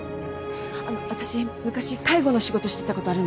あの私昔介護の仕事してたことあるんです。